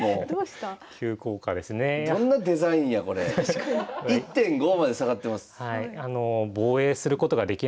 １．５まで下がってます。